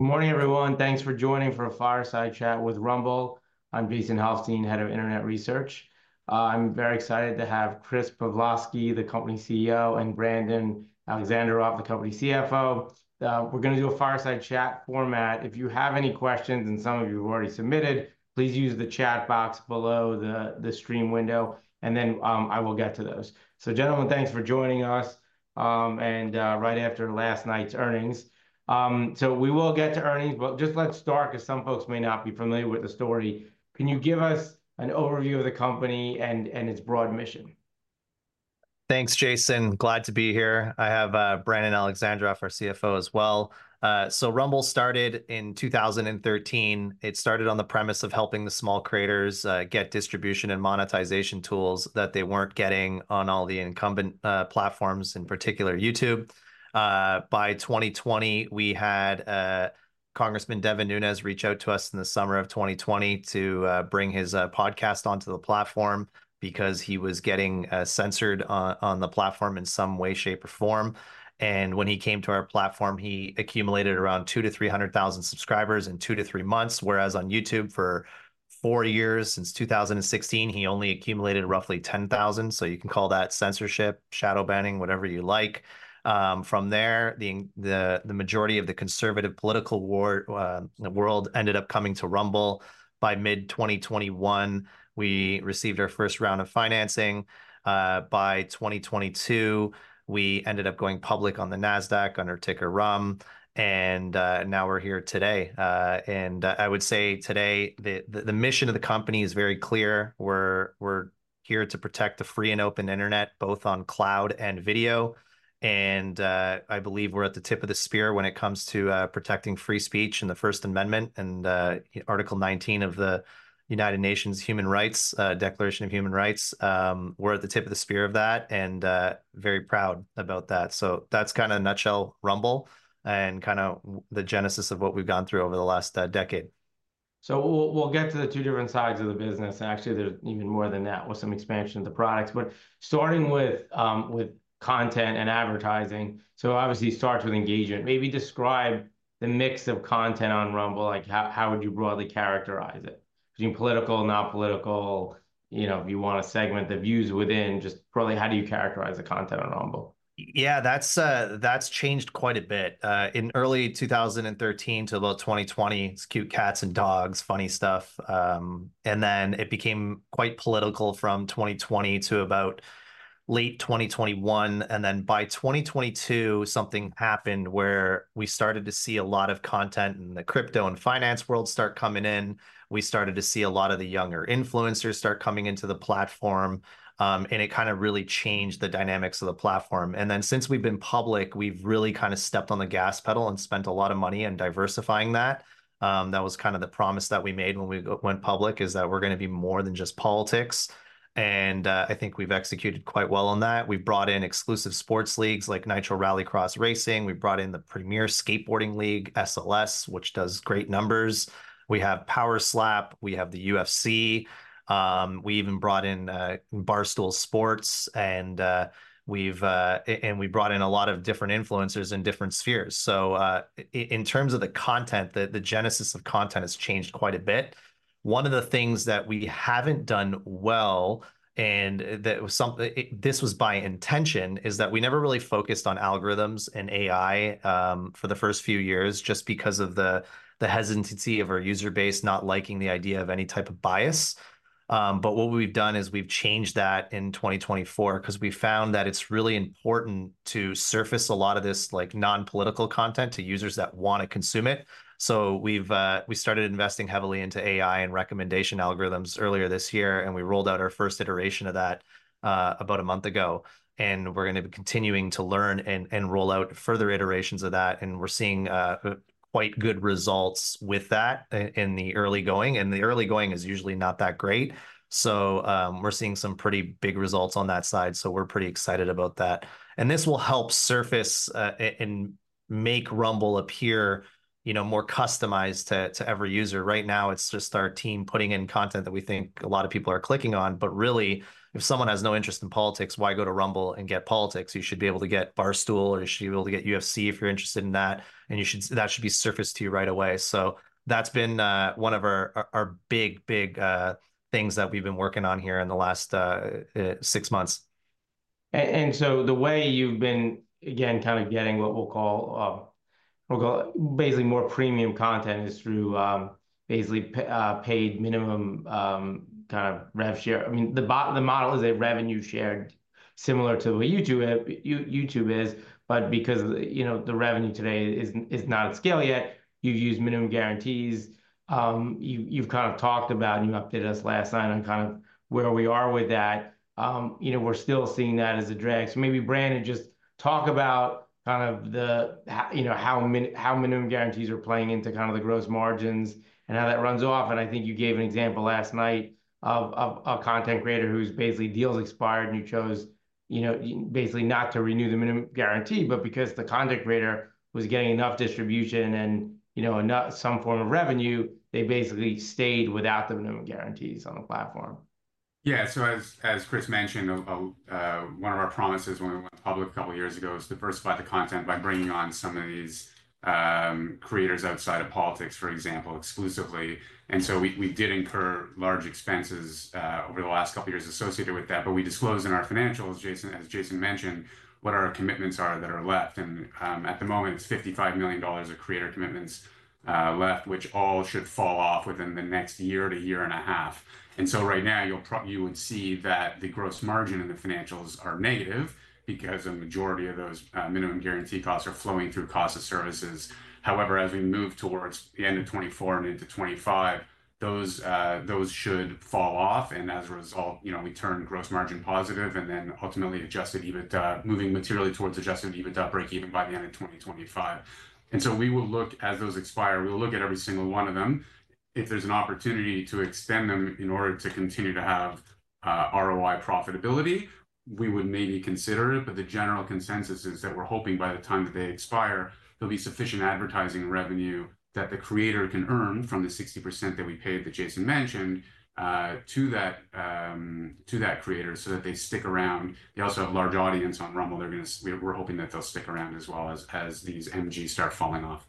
Good morning, everyone. Thanks for joining for a fireside chat with Rumble. I'm Jason Helfstein, Head of Internet Research. I'm very excited to have Chris Pavlovski, the company CEO, and Brandon Alexandrov, the company CFO. We're gonna do a fireside chat format. If you have any questions, and some of you have already submitted, please use the chat box below the stream window, and then I will get to those. So gentlemen, thanks for joining us, and right after last night's earnings. So we will get to earnings, but just let's start, as some folks may not be familiar with the story, can you give us an overview of the company and its broad mission? Thanks, Jason. Glad to be here. I have Brandon Alexandrov, our CFO, as well. So Rumble started in 2013. It started on the premise of helping the small creators get distribution and monetization tools that they weren't getting on all the incumbent platforms, in particular, YouTube. By 2020, we had Congressman Devin Nunes reach out to us in the summer of 2020 to bring his podcast onto the platform because he was getting censored on the platform in some way, shape, or form. And when he came to our platform, he accumulated around 200,000-300,000 subscribers in 2-3 months, whereas on YouTube for 4 years, since 2016, he only accumulated roughly 10,000. So you can call that censorship, shadow banning, whatever you like. From there, the majority of the conservative political world ended up coming to Rumble. By mid-2021, we received our first round of financing. By 2022, we ended up going public on the Nasdaq under ticker RUM, and now we're here today. I would say today, the mission of the company is very clear. We're here to protect the free and open internet, both on cloud and video, and I believe we're at the tip of the spear when it comes to protecting free speech and the First Amendment and Article 19 of the United Nations Human Rights Declaration of Human Rights. We're at the tip of the spear of that, and very proud about that. That's kinda a nutshell Rumble and kinda the genesis of what we've gone through over the last decade. So we'll get to the two different sides of the business, and actually there's even more than that with some expansion of the products. But starting with content and advertising, so obviously start with engagement. Maybe describe the mix of content on Rumble, like, how would you broadly characterize it? Between political, not political, you know, if you wanna segment the views within, just broadly, how do you characterize the content on Rumble? Yeah, that's changed quite a bit. In early 2013 to about 2020, it's cute cats and dogs, funny stuff. And then it became quite political from 2020 to about late 2021, and then by 2022, something happened where we started to see a lot of content in the crypto and finance world start coming in. We started to see a lot of the younger influencers start coming into the platform, and it kinda really changed the dynamics of the platform. And then since we've been public, we've really kinda stepped on the gas pedal and spent a lot of money in diversifying that. That was kinda the promise that we made when we went public, is that we're gonna be more than just politics, and I think we've executed quite well on that. We've brought in exclusive sports leagues, like Nitro Rallycross racing. We've brought in the premier skateboarding league, SLS, which does great numbers. We have Power Slap. We have the UFC. We even brought in Barstool Sports, and we've brought in a lot of different influencers in different spheres. So, in terms of the content, the genesis of content has changed quite a bit. One of the things that we haven't done well is that we never really focused on algorithms and AI for the first few years, just because of the hesitancy of our user base not liking the idea of any type of bias. But what we've done is we've changed that in 2024, because we found that it's really important to surface a lot of this, like, non-political content to users that wanna consume it. So we started investing heavily into AI and recommendation algorithms earlier this year, and we rolled out our first iteration of that about a month ago. And we're gonna be continuing to learn and roll out further iterations of that, and we're seeing quite good results with that in the early going, and the early going is usually not that great. So we're seeing some pretty big results on that side, so we're pretty excited about that. And this will help surface and make Rumble appear, you know, more customized to every user. Right now, it's just our team putting in content that we think a lot of people are clicking on. But really, if someone has no interest in politics, why go to Rumble and get politics? You should be able to get Barstool, or you should be able to get UFC if you're interested in that, and you should that should be surfaced to you right away. So that's been one of our big things that we've been working on here in the last six months. And so the way you've been, again, kinda getting what we'll call basically more premium content, is through basically paid minimum kind of rev share. I mean, the model is a revenue share, similar to the way you do it, YouTube is, but because, you know, the revenue today is not at scale yet, you've used minimum guarantees. You've kind of talked about, and you updated us last night on kind of where we are with that. You know, we're still seeing that as a drag. So maybe Brandon, just talk about kind of the, you know, how minimum guarantees are playing into kind of the gross margins and how that runs off. And I think you gave an example last night of a content creator who's basically deals expired, and you chose, you know, basically not to renew the minimum guarantee. But because the content creator was getting enough distribution and, you know, enough some form of revenue, they basically stayed without the minimum guarantees on the platform. Yeah, so as, as Chris mentioned, one of our promises when we went public a couple years ago was diversify the content by bringing on some of these creators outside of politics, for example, exclusively. And so we, we did incur large expenses over the last couple years associated with that. But we disclosed in our financials, Jason, as Jason mentioned, what our commitments are that are left. And at the moment, it's $55 million of creator commitments left, which all should fall off within the next year to year and a half. And so right now, you'll probably see that the gross margin in the financials are negative, because a majority of those minimum guarantee costs are flowing through cost of services. However, as we move towards the end of 2024 and into 2025, those, those should fall off, and as a result, you know, we turn gross margin positive, and then ultimately adjusted EBITDA, moving materially towards adjusted EBITDA breakeven by the end of 2025. And so we will look as those expire; we'll look at every single one of them. If there's an opportunity to extend them in order to continue to have ROI profitability, we would maybe consider it. But the general consensus is that we're hoping by the time that they expire, there'll be sufficient advertising revenue that the creator can earn from the 60% that we paid, that Jason mentioned, to that, to that creator, so that they stick around. They also have a large audience on Rumble. They're gonna. We're hoping that they'll stick around as well as these MGs start falling off.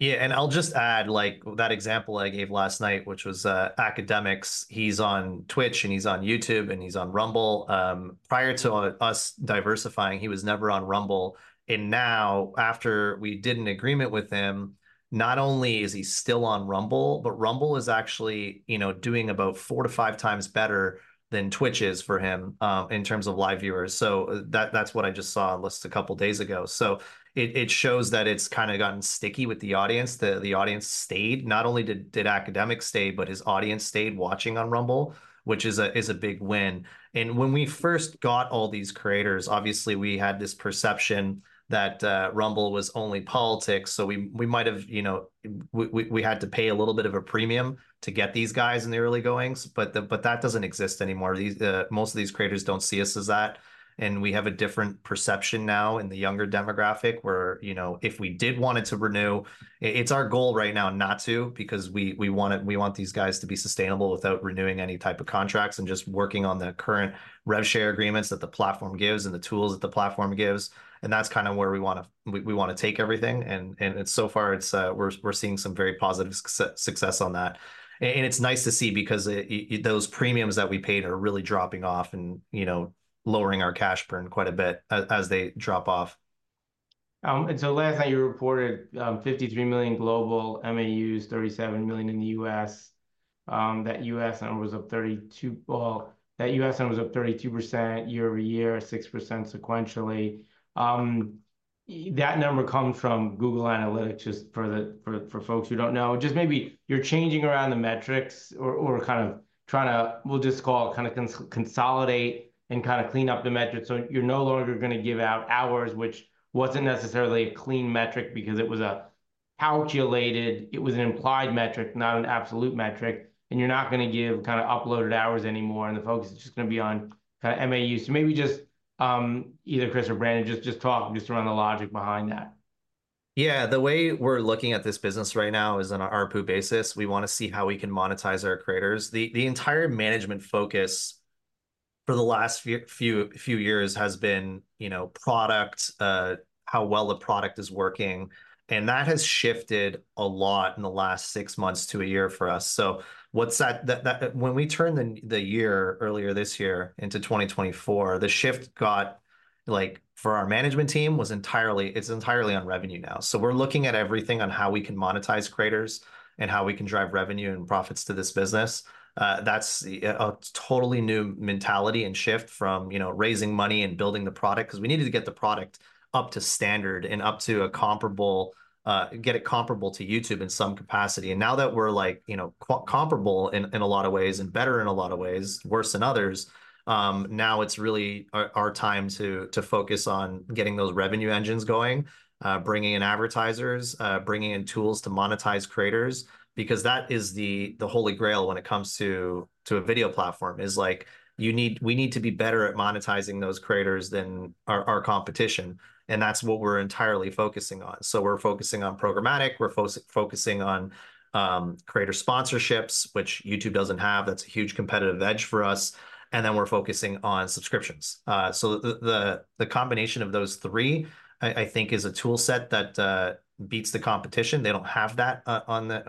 Yeah, and I'll just add, like, that example I gave last night, which was, Akademiks. He's on Twitch, and he's on YouTube, and he's on Rumble. Prior to us diversifying, he was never on Rumble. And now, after we did an agreement with him, not only is he still on Rumble, but Rumble is actually, you know, doing about four to five times better than Twitch is for him, in terms of live viewers. So, that, that's what I just saw just a couple days ago. So it shows that it's kinda gotten sticky with the audience. The audience stayed. Not only did Akademiks stay, but his audience stayed watching on Rumble, which is a big win. And when we first got all these creators, obviously we had this perception that Rumble was only politics, so we might have, you know, we had to pay a little bit of a premium to get these guys in the early goings, but that doesn't exist anymore. These most of these creators don't see us as that, and we have a different perception now in the younger demographic, where, you know, if we did want it to renew, it's our goal right now not to, because we want these guys to be sustainable without renewing any type of contracts, and just working on the current rev share agreements that the platform gives, and the tools that the platform gives. And that's kinda where we wanna take everything. And so far it's, we're seeing some very positive success on that. And it's nice to see, because those premiums that we paid are really dropping off and, you know, lowering our cash burn quite a bit as they drop off. And so last night you reported 53 million global MAUs, 37 million in the U.S. That U.S. number was up 32% year-over-year, 6% sequentially. That number comes from Google Analytics, just for the folks who don't know. Just maybe you're changing around the metrics or kind of trying to, we'll just call it, kinda consolidate and kinda clean up the metrics, so you're no longer gonna give out hours, which wasn't necessarily a clean metric because it was a calculated. It was an implied metric, not an absolute metric, and you're not gonna give kinda uploaded hours anymore, and the focus is just gonna be on kinda MAUs. So maybe just either Chris or Brandon just talk around the logic behind that. Yeah. The way we're looking at this business right now is on a ARPU basis. We wanna see how we can monetize our creators. The entire management focus for the last few years has been, you know, product, how well the product is working, and that has shifted a lot in the last six months to a year for us. When we turned the year earlier this year into 2024, the shift, like, for our management team, was entirely, it's entirely on revenue now. So we're looking at everything on how we can monetize creators, and how we can drive revenue and profits to this business. That's a totally new mentality and shift from, you know, raising money and building the product. Because we needed to get the product up to standard and up to a comparable, get it comparable to YouTube in some capacity. And now that we're, like, you know, comparable in, in a lot of ways and better in a lot of ways, worse than others, now it's really our time to focus on getting those revenue engines going, bringing in advertisers, bringing in tools to monetize creators. Because that is the holy grail when it comes to a video platform, is like, we need to be better at monetizing those creators than our competition, and that's what we're entirely focusing on. So we're focusing on programmatic, we're focusing on creator sponsorships, which YouTube doesn't have. That's a huge competitive edge for us. And then we're focusing on subscriptions. So the combination of those three, I think is a tool set that beats the competition. They don't have that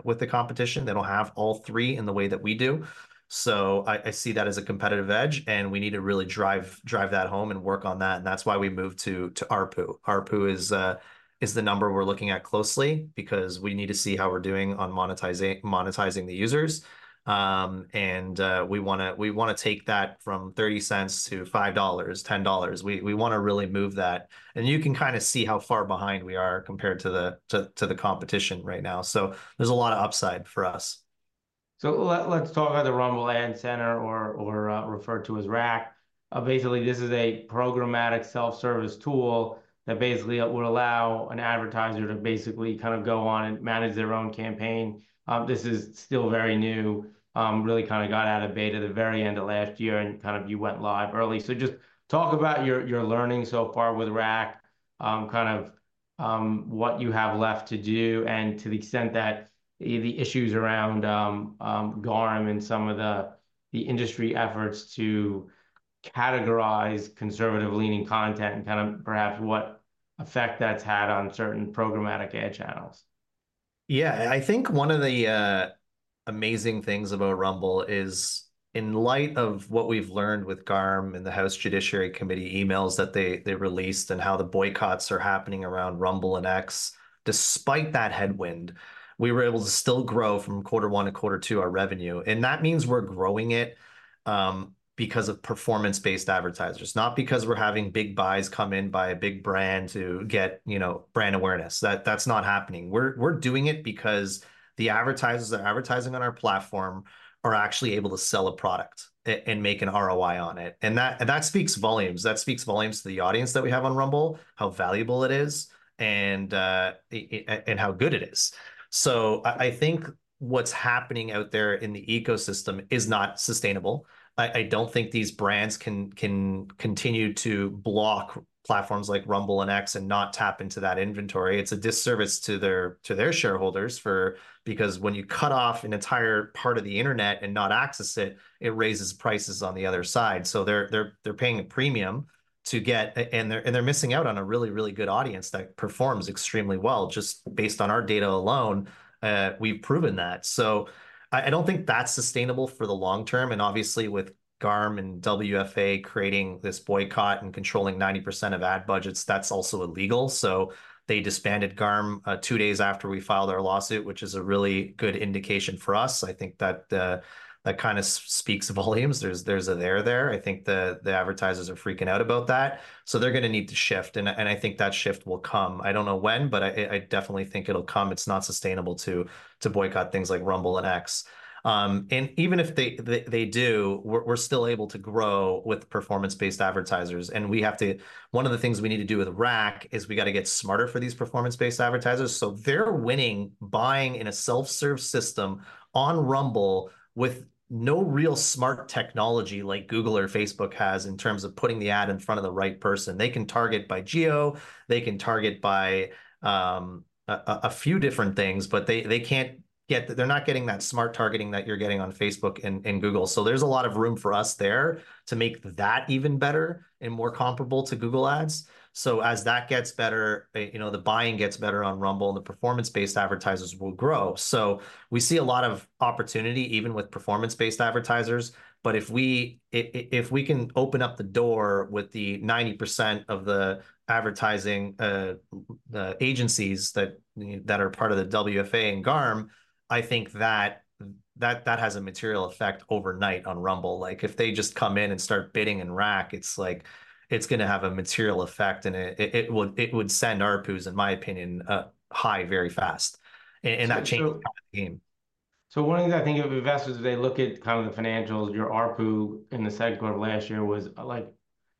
with the competition. They don't have all three in the way that we do. So I see that as a competitive edge, and we need to really drive that home and work on that, and that's why we moved to ARPU. ARPU is the number we're looking at closely, because we need to see how we're doing on monetizing the users. And we wanna take that from $0.30 to $5-$10. We wanna really move that. And you can kinda see how far behind we are compared to the competition right now, so there's a lot of upside for us. Let's talk about the Rumble Advertising Center, or referred to as RAC. Basically, this is a programmatic self-service tool that basically would allow an advertiser to basically kind of go on and manage their own campaign. This is still very new, really kind of got out of beta the very end of last year and kind of you went live early. So just talk about your learning so far with RAC, kind of what you have left to do, and to the extent that the issues around GARM and some of the industry efforts to categorize conservative-leaning content and kind of perhaps what effect that's had on certain programmatic ad channels? Yeah, I think one of the amazing things about Rumble is in light of what we've learned with GARM and the House Judiciary Committee emails that they released and how the boycotts are happening around Rumble and X, despite that headwind, we were able to still grow from quarter one to quarter two our revenue. And that means we're growing it because of performance-based advertisers, not because we're having big buys come in by a big brand to get, you know, brand awareness. That's not happening. We're doing it because the advertisers that are advertising on our platform are actually able to sell a product and make an ROI on it, and that speaks volumes. That speaks volumes to the audience that we have on Rumble, how valuable it is, and how good it is. So I think what's happening out there in the ecosystem is not sustainable. I don't think these brands can continue to block platforms like Rumble and X and not tap into that inventory. It's a disservice to their shareholders, because when you cut off an entire part of the internet and not access it, it raises prices on the other side. So they're paying a premium and they're missing out on a really, really good audience that performs extremely well. Just based on our data alone, we've proven that. So I don't think that's sustainable for the long term, and obviously with GARM and WFA creating this boycott and controlling 90% of ad budgets, that's also illegal. So they disbanded GARM, two days after we filed our lawsuit, which is a really good indication for us. I think that that kind of speaks volumes. There's, there's a there there. I think the advertisers are freaking out about that, so they're gonna need to shift, and I think that shift will come. I don't know when, but I definitely think it'll come. It's not sustainable to boycott things like Rumble and X. And even if they do, we're still able to grow with performance-based advertisers, and one of the things we need to do with RAC is we gotta get smarter for these performance-based advertisers. So they're winning, buying in a self-serve system on Rumble with no real smart technology like Google or Facebook has in terms of putting the ad in front of the right person. They can target by geo, they can target by a few different things, but they can't get—they're not getting that smart targeting that you're getting on Facebook and Google. So there's a lot of room for us there to make that even better and more comparable to Google Ads. So as that gets better, you know, the buying gets better on Rumble, the performance-based advertisers will grow. So we see a lot of opportunity, even with performance-based advertisers, but if we can open up the door with the 90% of the advertising agencies that are part of the WFA and GARM, I think that has a material effect overnight on Rumble. Like, if they just come in and start bidding in RAC, it's like, it's gonna have a material effect, and it would send ARPUs, in my opinion, high very fast. And that changes the game. So one of the things I think of investors, they look at kind of the financials. Your ARPU in the second quarter of last year was, like,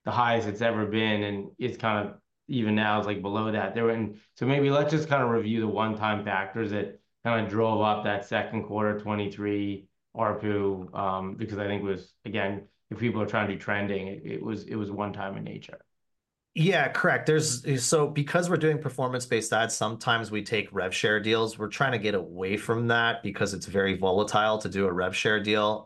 the highest it's ever been, and it's kind of even now is, like, below that there. And so maybe let's just kind of review the one-time factors that kind of drove up that second quarter 2023 ARPU, because I think it was, again, if people are trying to be trending, it was, it was one time in nature. Yeah, correct. So because we're doing performance-based ads, sometimes we take rev share deals. We're trying to get away from that because it's very volatile to do a rev share deal.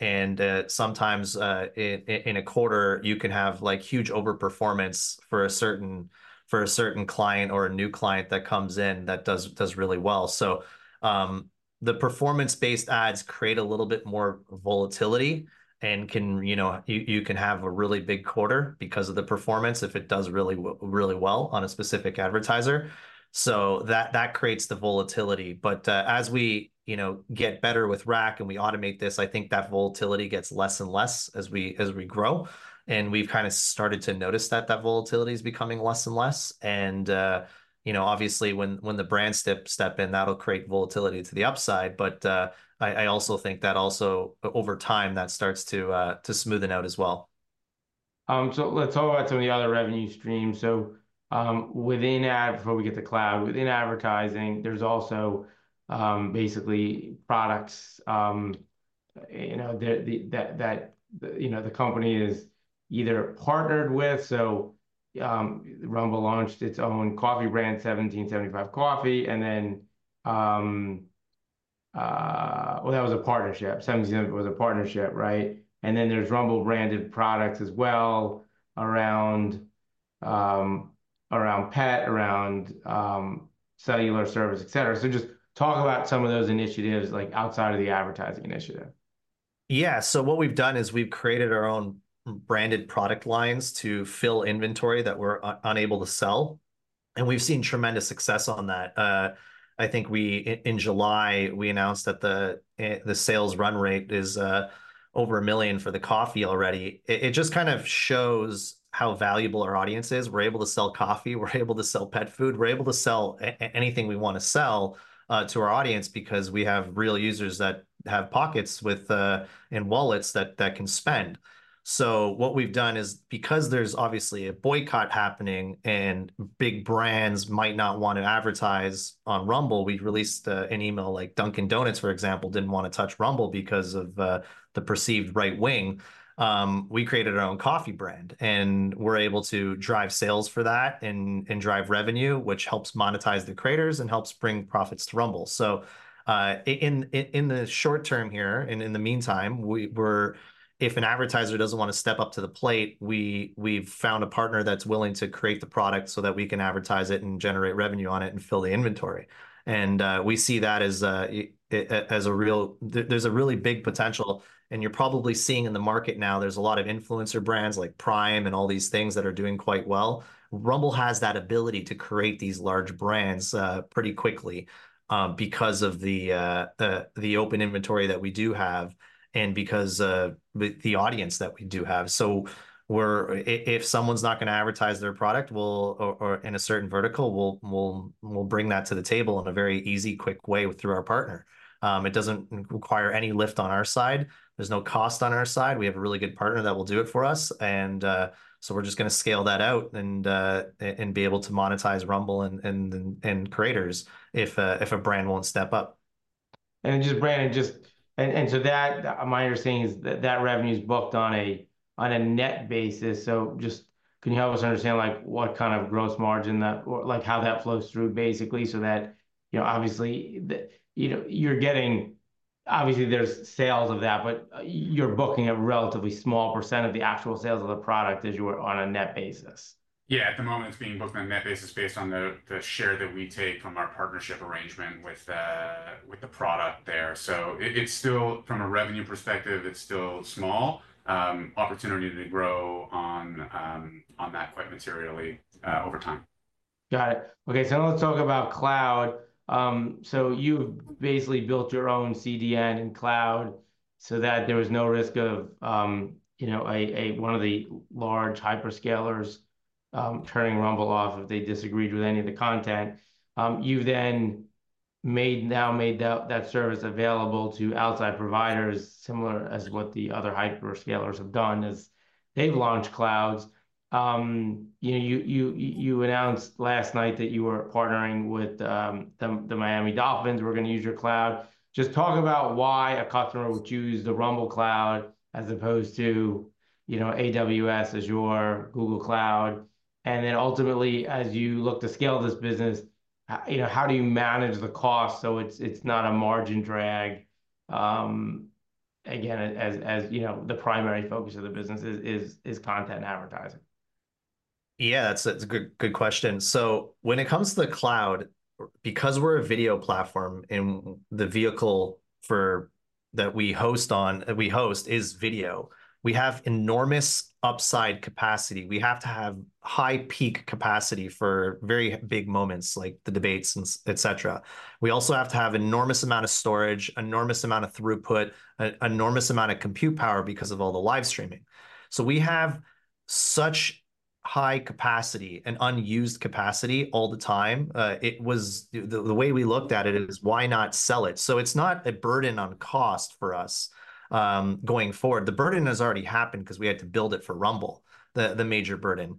And sometimes in a quarter you can have, like, huge overperformance for a certain client or a new client that comes in that does really well. So the performance-based ads create a little bit more volatility and can, you know, you can have a really big quarter because of the performance if it does really well on a specific advertiser. So that creates the volatility. But, as we, you know, get better with RAC and we automate this, I think that volatility gets less and less as we, as we grow, and we've kind of started to notice that that volatility is becoming less and less. And, you know, obviously, when the brands step in, that'll create volatility to the upside. But, I also think that, over time, that starts to smoothen out as well. So let's talk about some of the other revenue streams. So, within ad, before we get to cloud, within advertising, there's also, basically products, you know, the company is either partnered with. So, Rumble launched its own coffee brand, 1775 Coffee, and then, Well, that was a partnership, 1775 was a partnership, right? And then there's Rumble-branded products as well around, around pet, around, cellular service, et cetera. So just talk about some of those initiatives, like, outside of the advertising initiative. Yeah, so what we've done is we've created our own branded product lines to fill inventory that we're unable to sell, and we've seen tremendous success on that. I think in July, we announced that the sales run rate is over $1 million for the coffee already. It just kind of shows how valuable our audience is. We're able to sell coffee, we're able to sell pet food, we're able to sell anything we wanna sell to our audience because we have real users that have pockets with and wallets that can spend. So what we've done is, because there's obviously a boycott happening and big brands might not wanna advertise on Rumble, we've released an email, like Dunkin' Donuts, for example, didn't wanna touch Rumble because of the perceived right wing. We created our own coffee brand, and we're able to drive sales for that and drive revenue, which helps monetize the creators and helps bring profits to Rumble. So, in the short term here, and in the meantime, we're if an advertiser doesn't wanna step up to the plate, we've found a partner that's willing to create the product so that we can advertise it and generate revenue on it and fill the inventory. And, we see that as a real—here's a really big potential, and you're probably seeing in the market now, there's a lot of influencer brands like Prime and all these things that are doing quite well. Rumble has that ability to create these large brands pretty quickly because of the open inventory that we do have and because the audience that we do have. So if someone's not gonna advertise their product, we'll, or in a certain vertical, we'll bring that to the table in a very easy, quick way through our partner. It doesn't require any lift on our side. There's no cost on our side. We have a really good partner that will do it for us, and so we're just gonna scale that out and be able to monetize Rumble and creators if a brand won't step up. And just, Brandon, my understanding is that revenue is booked on a net basis. So just can you help us understand, like, what kind of gross margin that or, like, how that flows through basically, so that, you know, obviously, you know, you're getting—obviously, there's sales of that, but you're booking a relatively small percent of the actual sales of the product as you are on a net basis? Yeah, at the moment, it's being booked on a net basis based on the share that we take from our partnership arrangement with the product there. So it's still, from a revenue perspective, it's still small. Opportunity to grow on that quite materially over time. Got it. Okay, so let's talk about cloud. So you've basically built your own CDN and cloud so that there was no risk of, you know, a one of the large hyperscalers turning Rumble off if they disagreed with any of the content. You then now made that service available to outside providers, similar as what the other hyperscalers have done as they've launched clouds. You know, you announced last night that you were partnering with the Miami Dolphins, were gonna use your cloud. Just talk about why a customer would use the Rumble Cloud as opposed to, you know, AWS, Azure, Google Cloud, and then ultimately, as you look to scale this business, you know, how do you manage the cost so it's not a margin drag, again, as you know, the primary focus of the business is content and advertising? Yeah, that's a good, good question. So when it comes to the cloud, because we're a video platform and the vehicle for- that we host on, we host is video, we have enormous upside capacity. We have to have high peak capacity for very big moments, like the debates, and et cetera. We also have to have enormous amount of storage, enormous amount of throughput, an enormous amount of compute power because of all the live streaming. So we have such high capacity and unused capacity all the time. It was... The way we looked at it is, why not sell it? So it's not a burden on cost for us, going forward. The burden has already happened because we had to build it for Rumble, the major burden.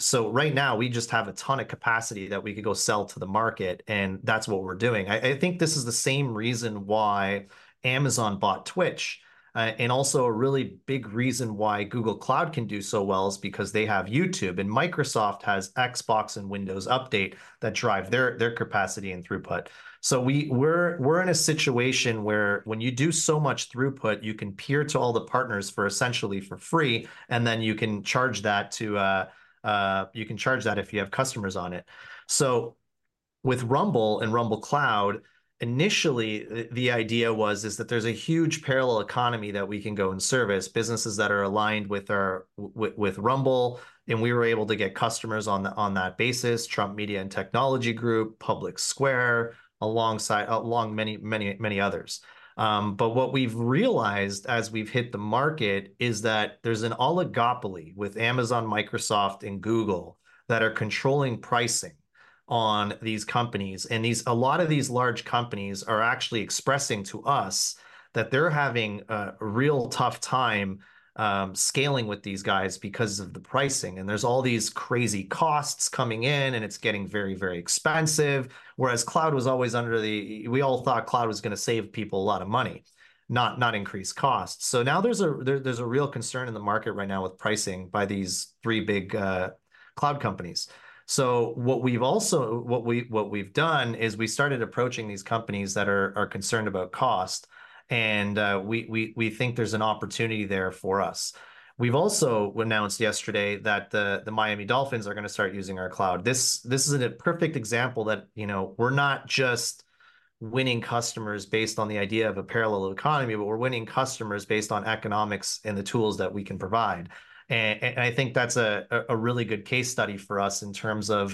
So right now, we just have a ton of capacity that we could go sell to the market, and that's what we're doing. I think this is the same reason why Amazon bought Twitch, and also a really big reason why Google Cloud can do so well is because they have YouTube, and Microsoft has Xbox and Windows Update that drive their capacity and throughput. We're in a situation where when you do so much throughput, you can peer to all the partners for essentially for free, and then you can charge that to you can charge that if you have customers on it. So with Rumble and Rumble Cloud, initially, the idea was, is that there's a huge parallel economy that we can go and service, businesses that are aligned with our, with Rumble, and we were able to get customers on that basis, Trump Media & Technology Group, PublicSquare, alongside many, many, many others. But what we've realized as we've hit the market is that there's an oligopoly with Amazon, Microsoft and Google that are controlling pricing on these companies. And a lot of these large companies are actually expressing to us that they're having a real tough time scaling with these guys because of the pricing, and there's all these crazy costs coming in, and it's getting very, very expensive. Whereas cloud was always we all thought cloud was gonna save people a lot of money, not, not increase costs. So now there's a real concern in the market right now with pricing by these three big cloud companies. So what we've done is we started approaching these companies that are concerned about cost, and we think there's an opportunity there for us. We've also announced yesterday that the Miami Dolphins are gonna start using our cloud. This is a perfect example that, you know, we're not just winning customers based on the idea of a parallel economy, but we're winning customers based on economics and the tools that we can provide. I think that's a really good case study for us in terms of,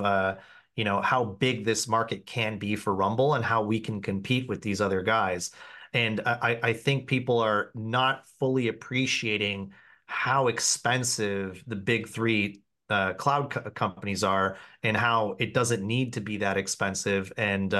you know, how big this market can be for Rumble and how we can compete with these other guys. I think people are not fully appreciating how expensive the big three cloud companies are and how it doesn't need to be that expensive. And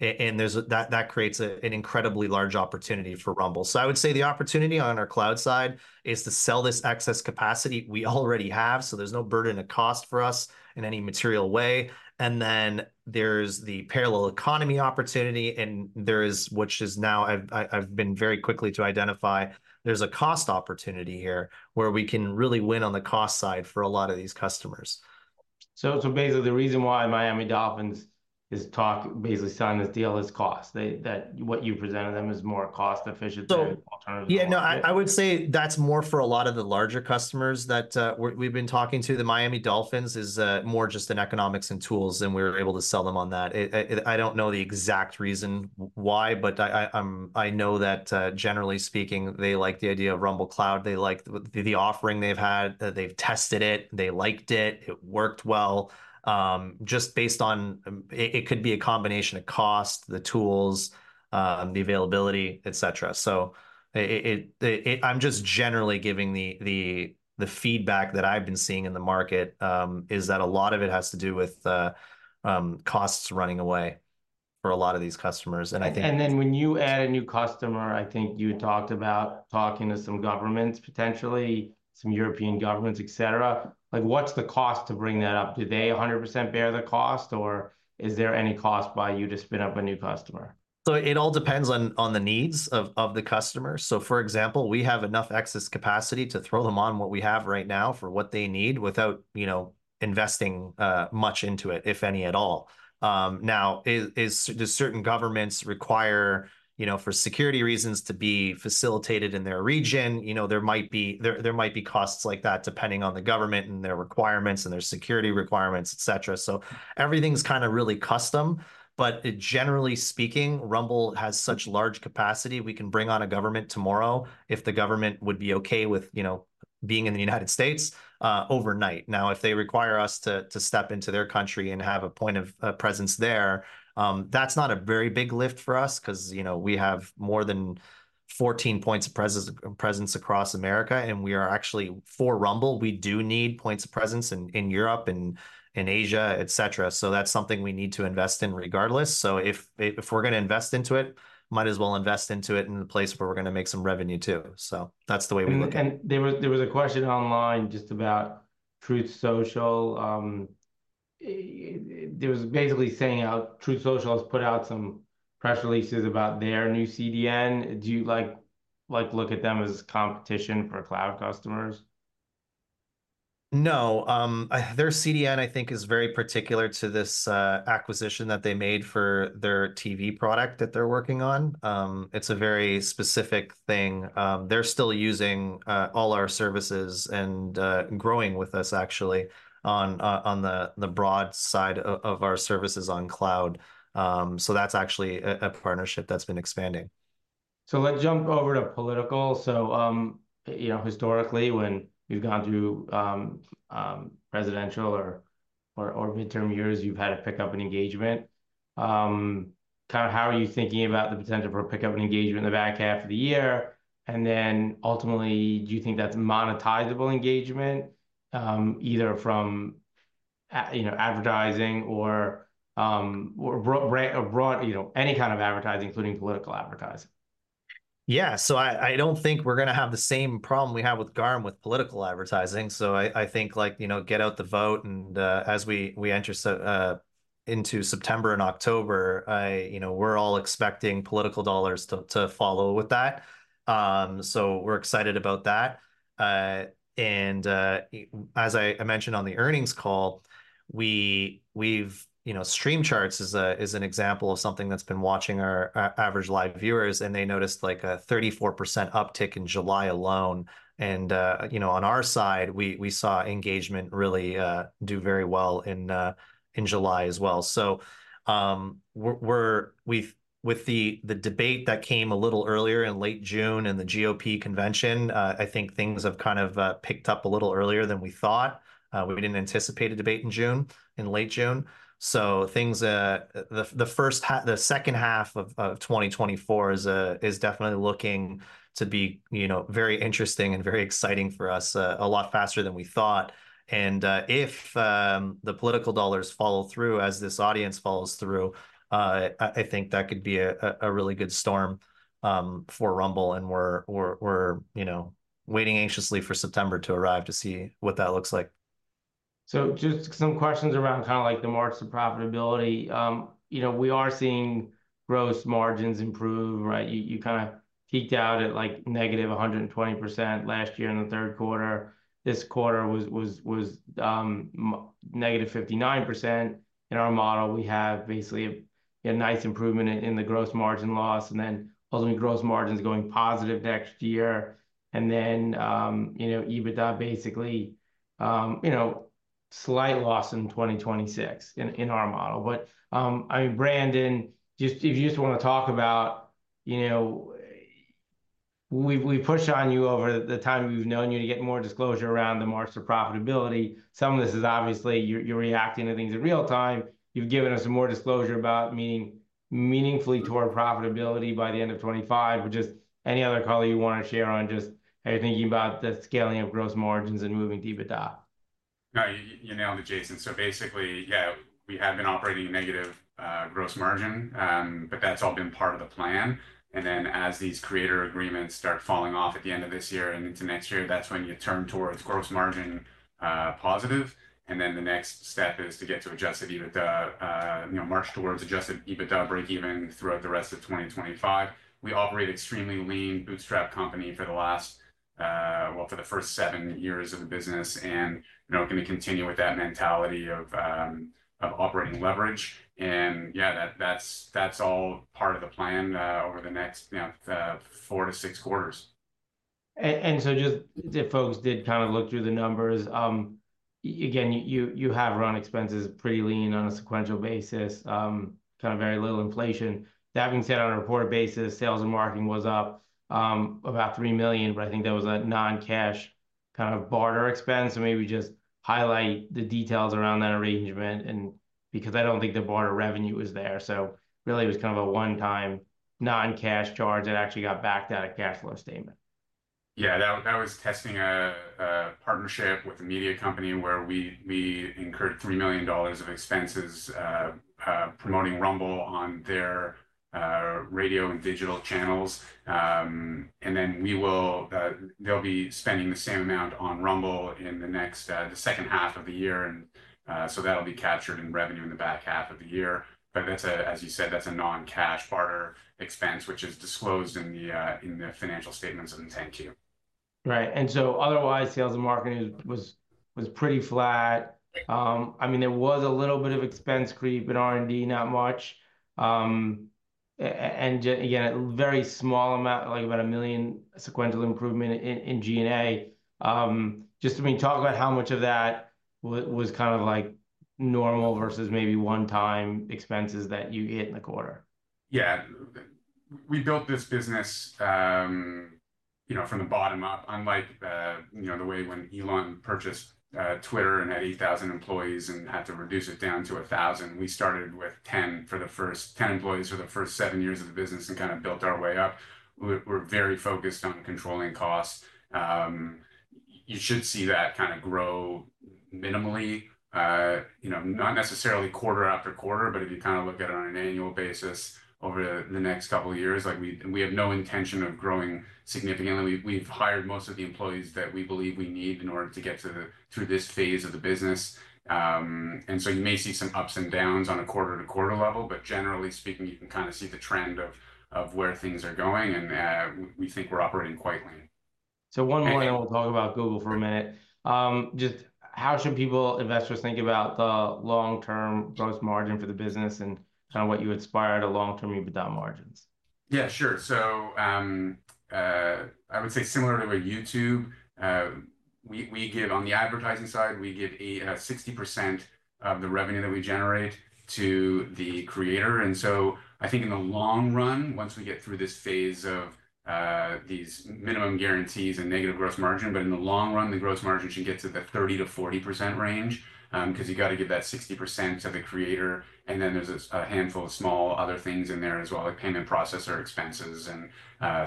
there's that creates an incredibly large opportunity for Rumble. So I would say the opportunity on our cloud side is to sell this excess capacity we already have, so there's no burden of cost for us in any material way. Then there's the parallel economy opportunity, and there is, which is now, I've, I've been very quickly to identify there's a cost opportunity here, where we can really win on the cost side for a lot of these customers. So basically the reason why Miami Dolphins is basically signing this deal is cost. They, that what you presented them is more cost efficient than alternative options? Yeah, no, I would say that's more for a lot of the larger customers that we've been talking to. The Miami Dolphins is more just an economics and tools, and we were able to sell them on that. I don't know the exact reason why, but I know that, generally speaking, they like the idea of Rumble Cloud. They like the offering they've had. They've tested it, they liked it, it worked well. Just based on—it could be a combination of cost, the tools, the availability, et cetera. So I'm just generally giving the feedback that I've been seeing in the market, is that a lot of it has to do with costs running away for a lot of these customers. And I think— And then when you add a new customer, I think you talked about talking to some governments, potentially some European governments, et cetera. Like, what's the cost to bring that up? Do they 100% bear the cost, or is there any cost by you to spin up a new customer? So it all depends on the needs of the customer. So, for example, we have enough excess capacity to throw them on what we have right now for what they need without, you know, investing much into it, if any at all. Now, do certain governments require, you know, for security reasons, to be facilitated in their region? You know, there might be costs like that, depending on the government and their requirements and their security requirements, et cetera. So everything's kinda really custom, but generally speaking, Rumble has such large capacity, we can bring on a government tomorrow if the government would be okay with, you know, being in the United States overnight. Now, if they require us to step into their country and have a point of presence there, that's not a very big lift for us, because, you know, we have more than 14 points of presence across America, and we are actually, for Rumble, we do need points of presence in Europe and in Asia, et cetera. So that's something we need to invest in regardless. So if we're gonna invest into it, might as well invest into it in a place where we're gonna make some revenue, too. So that's the way we look at it. There was a question online just about Truth Social. There was basically saying how Truth Social has put out some press releases about their new CDN. Do you, like, look at them as competition for cloud customers? No. Their CDN, I think, is very particular to this acquisition that they made for their TV product that they're working on. It's a very specific thing. They're still using all our services and growing with us, actually, on the broad side of our services on cloud. So that's actually a partnership that's been expanding. So let's jump over to political. So, you know, historically, when you've gone through presidential or midterm years, you've had a pickup in engagement. Kind of how are you thinking about the potential for a pickup in engagement in the back half of the year? And then ultimately, do you think that's monetizable engagement, either from you know, advertising or broader abroad, you know, any kind of advertising, including political advertising? Yeah, so I don't think we're gonna have the same problem we had with GARM with political advertising. So I think, like, you know, get out the vote, and as we enter into September and October, I you know, we're all expecting political dollars to follow with that. So we're excited about that. And as I mentioned on the earnings call, we've—ou know, Streams Charts is an example of something that's been watching our average live viewers, and they noticed, like, a 34% uptick in July alone. And you know, on our side, we saw engagement really do very well in July as well. So, with the debate that came a little earlier in late June and the GOP convention, I think things have kind of picked up a little earlier than we thought. We didn't anticipate a debate in June, in late June. So things—the second half of 2024 is definitely looking to be, you know, very interesting and very exciting for us, a lot faster than we thought. And if the political dollars follow through as this audience follows through, I think that could be a really good storm for Rumble, and we're, you know, waiting anxiously for September to arrive to see what that looks like. So just some questions around kinda like the marks of profitability. You know, we are seeing gross margins improve, right? You kinda peaked out at, like, negative 120% last year in the third quarter. This quarter was -59%. In our model, we have basically a nice improvement in the gross margin loss, and then ultimately, gross margins going positive next year. And then, you know, EBITDA basically, you know, slight loss in 2026 in our model. But, I mean, Brandon, just, if you just wanna talk about, you know, we've pushed on you over the time we've known you to get more disclosure around the marks of profitability. Some of this is obviously you're reacting to things in real time. You've given us some more disclosure about meaning, meaningfully toward profitability by the end of 2025. But just any other call you wanna share on just how you're thinking about the scaling of gross margins and moving to EBITDA? No, you nailed it, Jason. So basically, yeah, we have been operating negative gross margin, but that's all been part of the plan. And then, as these creator agreements start falling off at the end of this year and into next year, that's when you turn towards gross margin positive. And then the next step is to get to adjusted EBITDA, you know, march towards adjusted EBITDA breakeven throughout the rest of 2025. We operate extremely lean, bootstrap company for the last, well, for the first 7 years of the business, and, you know, gonna continue with that mentality of operating leverage. And yeah, that, that's all part of the plan, over the next, you know, 4-6 quarters. And so just if folks did kind of look through the numbers, again, you, you have run expenses pretty lean on a sequential basis, kind of very little inflation. That being said, on a reported basis, sales and marketing was up, about $3 million, but I think that was a non-cash kind of barter expense. So maybe just highlight the details around that arrangement, and because I don't think the barter revenue is there. So really it was kind of a one-time non-cash charge that actually got backed out of cash flow statement. Yeah, that was testing a partnership with a media company where we incurred $3 million of expenses promoting Rumble on their radio and digital channels. And then we'll—they'll be spending the same amount on Rumble in the next, the second half of the year, and so that'll be captured in revenue in the back half of the year. But that's as you said, that's a non-cash barter expense, which is disclosed in the financial statements in the 10-Q. Right. And so otherwise, sales and marketing was pretty flat. I mean, there was a little bit of expense creep in R&D, not much. And, again, a very small amount, like about $1 million sequential improvement in G&A. Just, I mean, talk about how much of that was kind of like normal versus maybe one-time expenses that you hit in the quarter. Yeah. We built this business, you know, from the bottom up, unlike, you know, the way when Elon purchased Twitter and had 8,000 employees and had to reduce it down to 1,000. We started with 10 employees for the first 7 years of the business and kind of built our way up. We're very focused on controlling costs. You should see that kind of grow minimally, you know, not necessarily quarter after quarter, but if you kind of look at it on an annual basis over the next couple of years. Like, we have no intention of growing significantly. We've hired most of the employees that we believe we need in order to get through this phase of the business. And so you may see some ups and downs on a quarter-to-quarter level, but generally speaking, you can kind of see the trend of where things are going, and we think we're operating quite lean. One moment, we’ll talk about Google for a minute. Just how should people, investors think about the long-term gross margin for the business and kind of what you inspire the long-term EBITDA margins? Yeah, sure. So, I would say similarly with YouTube, we, we give, on the advertising side, we give a, 60% of the revenue that we generate to the creator. And so I think in the long run, once we get through this phase of, these minimum guarantees and negative gross margin, but in the long run, the gross margin should get to the 30%-40% range, because you got to give that 60% to the creator, and then there's a, a handful of small other things in there as well, like payment processor expenses and,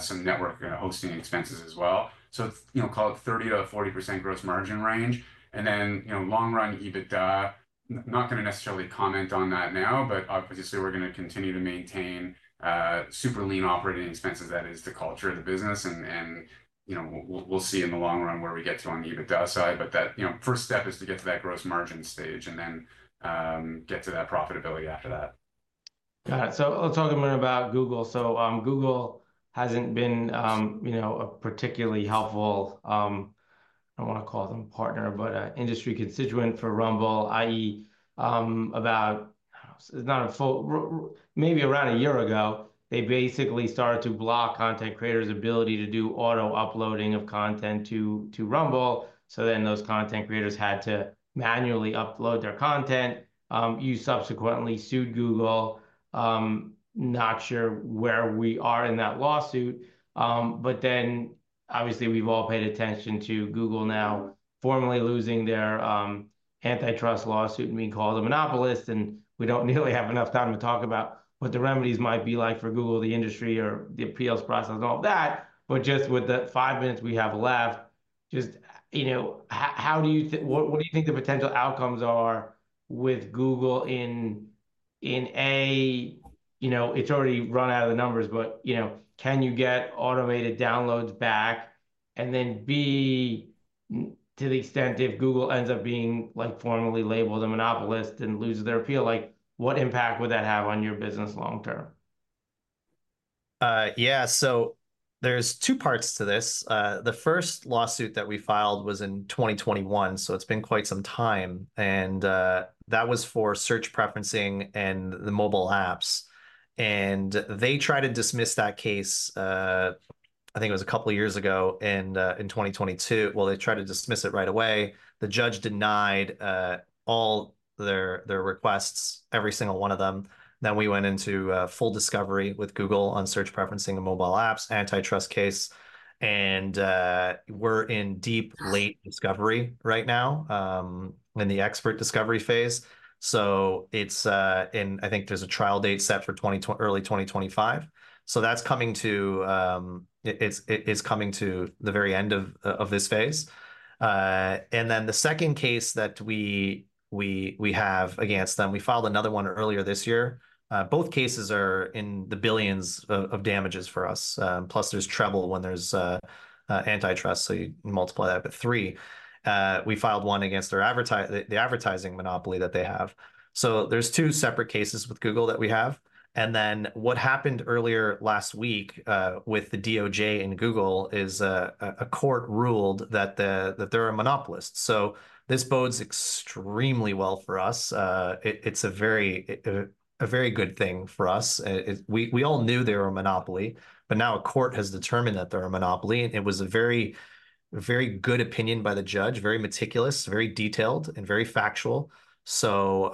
some network and hosting expenses as well. So, you know, call it 30%-40% gross margin range. And then, you know, long run EBITDA, not gonna necessarily comment on that now, but obviously, we're gonna continue to maintain super lean operating expenses. That is the culture of the business, and you know, we'll see in the long run where we get to on the EBITDA side. But that, you know, first step is to get to that gross margin stage, and then get to that profitability after that. Got it. So let's talk a minute about Google. So, Google hasn't been, you know, a particularly helpful, I don't wanna call them partner, but a industry constituent for Rumble, i.e., about a year ago, they basically started to block content creators' ability to do auto-uploading of content to Rumble. So then those content creators had to manually upload their content. You subsequently sued Google. Not sure where we are in that lawsuit, but then obviously, we've all paid attention to Google now formally losing their antitrust lawsuit and being called a monopolist, and we don't nearly have enough time to talk about what the remedies might be like for Google, the industry, or the appeals process and all that. Just with the five minutes we have left, just, you know, how do you think—what do you think the potential outcomes are with Google in, in A, you know, it's already run out of the numbers, but, you know, can you get automated downloads back? And then, B, to the extent, if Google ends up being, like, formally labeled a monopolist and loses their appeal, like, what impact would that have on your business long term? Yeah, so there's two parts to this. The first lawsuit that we filed was in 2021, so it's been quite some time, and that was for search preferencing and the mobile apps. And they tried to dismiss that case, I think it was a couple of years ago, in 2022. Well, they tried to dismiss it right away. The judge denied all their requests, every single one of them. Then we went into full discovery with Google on search preferencing and mobile apps, antitrust case, and we're in deep, late discovery right now, in the expert discovery phase. So it's I think there's a trial date set for early 2025. So that's coming to it's coming to the very end of this phase. And then the second case that we have against them, we filed another one earlier this year. Both cases are in the billions in damages for us, plus there's treble when there's antitrust, so you multiply that by three. We filed one against their advertising monopoly that they have. So there's two separate cases with Google that we have. And then what happened earlier last week with the DOJ and Google is a court ruled that they're a monopolist. So this bodes extremely well for us. It's a very very good thing for us. We all knew they were a monopoly, but now a court has determined that they're a monopoly, and it was a very good opinion by the judge, very meticulous, very detailed, and very factual. So,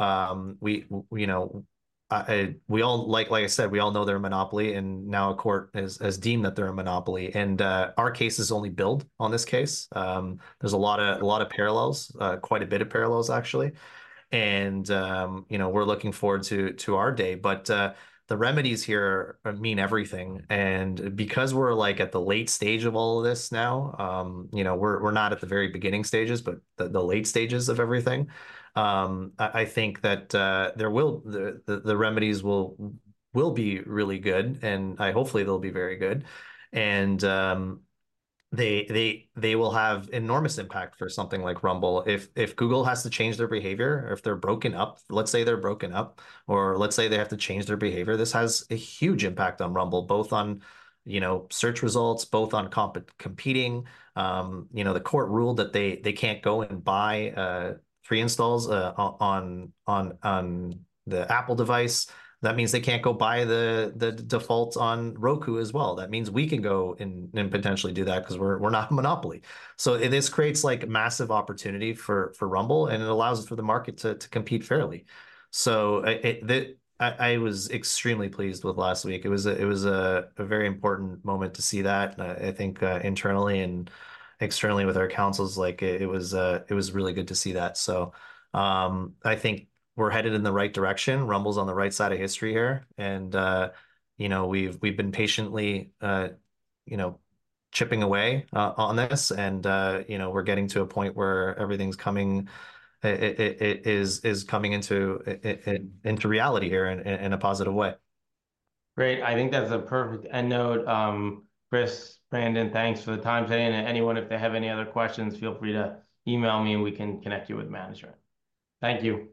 you know, like I said, we all know they're a monopoly, and now a court has deemed that they're a monopoly. And our case is only built on this case. There's a lot of parallels, quite a bit of parallels, actually. And you know, we're looking forward to our day. But, the remedies here mean everything, and because we're, like, at the late stage of all of this now, you know, we're not at the very beginning stages, but the late stages of everything, I think that the remedies will be really good, and hopefully they'll be very good. And they will have enormous impact for something like Rumble. If Google has to change their behavior, or if they're broken up. Let's say they're broken up, or let's say they have to change their behavior, this has a huge impact on Rumble, both on, you know, search results, both on competing. You know, the court ruled that they can't go and buy pre-installs on the Apple device. That means they can't go buy the defaults on Roku as well. That means we can go and potentially do that, because we're not a monopoly. So this creates, like, massive opportunity for Rumble, and it allows for the market to compete fairly. So, I was extremely pleased with last week. It was a very important moment to see that, I think, internally and externally with our counsels, like, it was really good to see that. So, I think we're headed in the right direction. Rumble's on the right side of history here, and, you know, we've been patiently, you know, chipping away on this. You know, we're getting to a point where everything's coming into reality here in a positive way. Great. I think that's a perfect end note. Chris, Brandon, thanks for the time today, and anyone, if they have any other questions, feel free to email me, and we can connect you with management. Thank you.